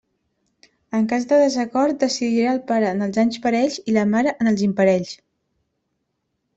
En cas de desacord, decidirà el pare en els anys parells i la mare en els imparells.